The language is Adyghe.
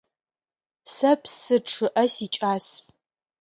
Сэ псы чъыӏэ сикӏас.